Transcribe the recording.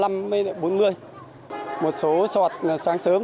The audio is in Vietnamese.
một số soạt sáng sớm